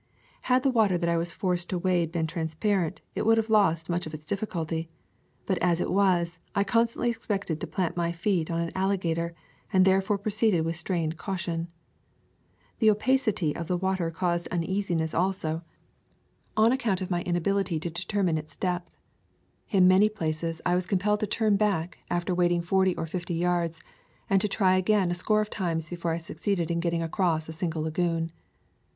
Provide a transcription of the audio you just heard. Had the water that I was forced to wade. been transparent it would have lost much of its difficulty. But as it was, I constantly expected to plant my feet on an alligator, and therefore proceeded with strained caution. The opacity of the water caused uneasiness also on account [ 119 ] A Thousand Mile 0 alk of my inability to determine its depth. In many places I was compelled to turn back, after wading forty or fifty yards, and to try again a score of times before I succeeded in getting across a single lagoon.